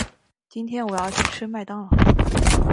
今天我要去吃麦当劳。